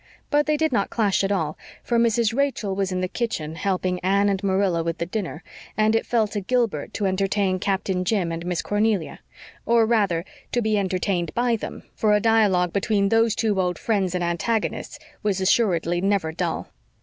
But they did not clash at all, for Mrs. Rachel was in the kitchen helping Anne and Marilla with the dinner, and it fell to Gilbert to entertain Captain Jim and Miss Cornelia, or rather to be entertained by them, for a dialogue between those two old friends and antagonists was assuredly never dull.